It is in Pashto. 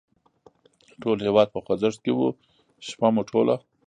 ټول هېواد په خوځښت کې و، شپه مو ټوله.